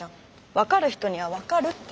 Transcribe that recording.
分かる人には分かるって。